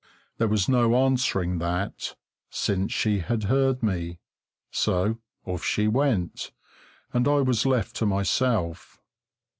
There was no answering that, since she had heard me, so off she went, and I was left to myself.